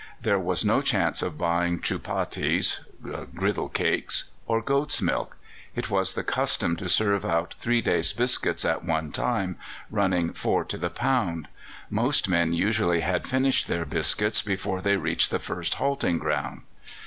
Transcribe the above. There was no chance of buying chupatties (girdle cakes) or goat's milk. It was the custom to serve out three days' biscuits at one time, running four to the pound. Most men usually had finished their biscuits before they reached the first halting ground.